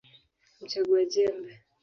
Mchagua jembe